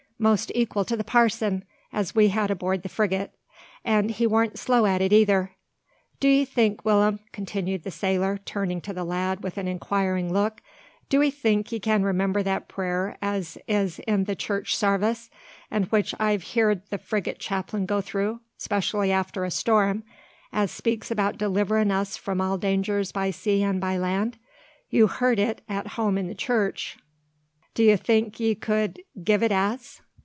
Most equal to the parson, as we had aboard the frigate; an' he warn't slow at it, eyther. Do 'ee think, Will'm," continued the sailor, turning to the lad with an inquiring look, "do 'ee think ye can remember that prayer as is in the Church Sarvice, and which I've heerd the frigate chaplain go through, specially after a storm, as speaks about deliverin' us from all dangers by sea and by land? You've heerd it at home in the church. D'ye think ye could gie it as?"